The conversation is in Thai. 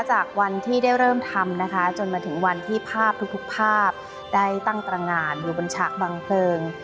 จากวันที่ได้เริ่มทำนะคะจนมาถึงวันที่ภาพทุกภาพได้ตั้งตรงานอยู่บนฉากบังเพลิง